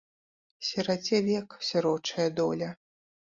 Сіраце век сірочая доля.